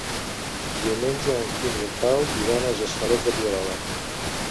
Diumenge en Quim i en Pau iran als Hostalets de Pierola.